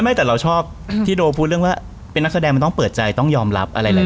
ไม่แต่เราชอบที่โดพูดเรื่องว่าเป็นนักแสดงมันต้องเปิดใจต้องยอมรับอะไรหลาย